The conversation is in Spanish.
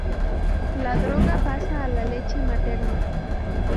La droga pasa a la leche materna.